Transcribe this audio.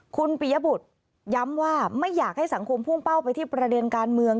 คุณปียบุตรย้ำว่าไม่อยากให้สังคมพุ่งเป้าไปที่ประเด็นการเมือง